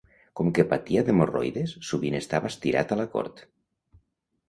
Com que patia d'hemorroides, sovint estava estirat a la cort.